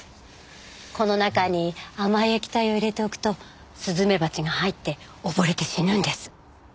この中に甘い液体を入れておくとスズメバチが入って溺れて死ぬんです。